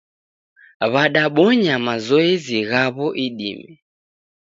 W'adabonya mazoezi ghawo idime